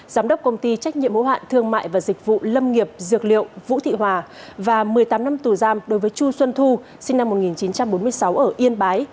giám đốc công ty trách nhiệm hữu hạn thương mại và dịch vụ lâm nghiệp dược liệu vũ thị hòa và một mươi tám năm tù giam đối với chu xuân thu sinh năm một nghìn chín trăm bốn mươi sáu ở yên bái